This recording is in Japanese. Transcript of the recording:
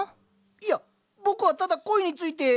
いや僕はただ恋について。